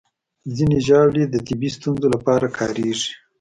ځینې ژاولې د طبي ستونزو لپاره کارېږي.